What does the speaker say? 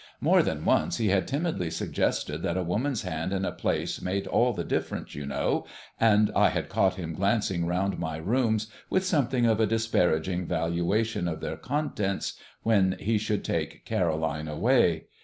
More than once he had timidly suggested that a woman's hand in a place made all the difference, you know, and I had caught him glancing round my rooms with something of a disparaging valuation of their contents when he should take Caroline away.